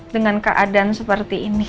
dengan keadaan seperti ini